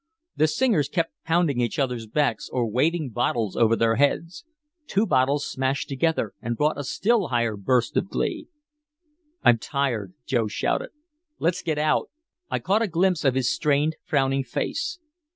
The singers kept pounding each other's backs or waving bottles over their heads. Two bottles smashed together and brought a still higher burst of glee. "I'm tired!" Joe shouted. "Let's get out!" I caught a glimpse of his strained, frowning face.